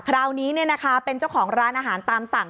คราวนี้เป็นเจ้าของร้านอาหารตามสั่ง